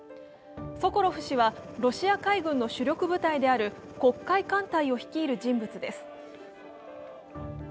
ソコロフ氏はロシア海軍の主力部隊である黒海艦隊を率いる人物です。